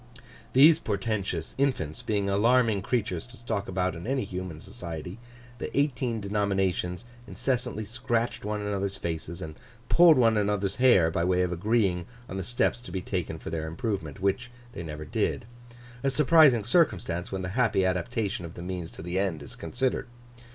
These portentous infants being alarming creatures to stalk about in any human society, the eighteen denominations incessantly scratched one another's faces and pulled one another's hair by way of agreeing on the steps to be taken for their improvement—which they never did; a surprising circumstance, when the happy adaptation of the means to the end is considered.